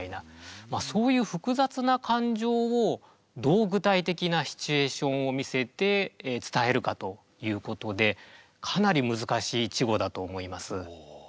そういう複雑な感情をどう具体的なシチュエーションを見せて伝えるかということでかなり難しい稚語だと思います。